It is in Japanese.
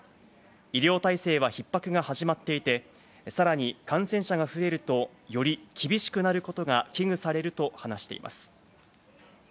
医療体制は逼迫が始まっていて、さらに感染者が増えると、より厳しくなることが危惧されると話しています。